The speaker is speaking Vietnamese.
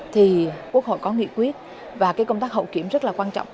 thì quốc hội có nghị quyết và cái công tác hậu kiểm rất là quan trọng